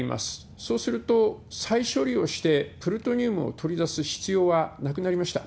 そうすると、再処理をしてプルトニウムを取り出す必要はなくなりました。